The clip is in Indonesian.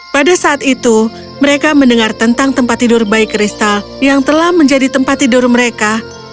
pada saat itu mereka mendengar tentang tempat tidur bayi kristal yang telah menjadi tempat tidur mereka